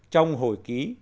trong hồi ký